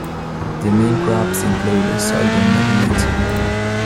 The main crops include sorghum and wheat.